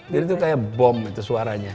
jadi tuh kayak bom itu suaranya